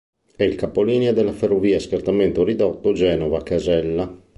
È il capolinea della ferrovia a scartamento ridotto Genova-Casella.